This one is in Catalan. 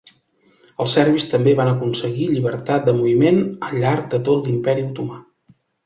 Els serbis també van aconseguir llibertat de moviment al llarg de tot l'Imperi Otomà.